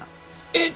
えっ！？